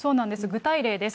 具体例です。